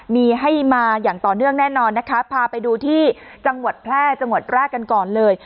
มีให้มาอย่างต่อเนื่องแน่นอนนะคะพาไปดูที่จังหวัดแพร่จังหวัดแรกกันก่อนเลย